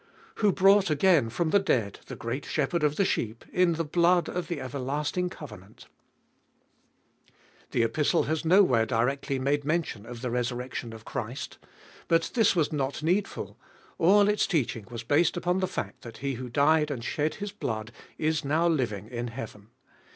Who brought again from the dead the great Shepherd of the sheep, in the blood of the everlasting covenant. The Epistle has nowhere directly made mention of the resurrection of Christ. But this was not needful: all its teaching was based upon the fact that He who died and shed Cbe holiest of BU 539 His blood is now living in heaven.